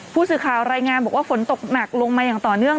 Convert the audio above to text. ผู้สื่อข่าวรายงานบอกว่าฝนตกหนักลงมาอย่างต่อเนื่อง